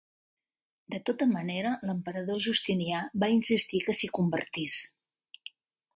De tota manera, l'emperador Justinià va insistir que s'hi convertís.